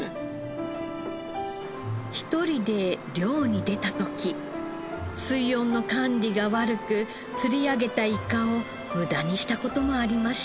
１人で漁に出た時水温の管理が悪く釣り上げたイカを無駄にした事もありました。